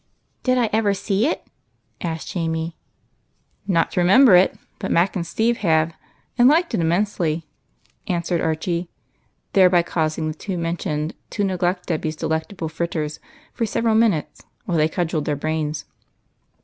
" Did I ever see it ?" asked Jamie. "Not to remember it; but Mac and Steve have, and liked it immensely," answered Archie, thereby causing the two mentioned to neglect Debby's delect able fritters for several minutes, while they cudgelled their brains.